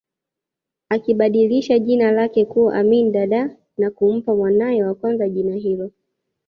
Akibadilisha jina lake kuwa Amin Dada na kumpa mwana wa kwanza jina hilo